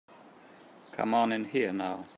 Come on in here now.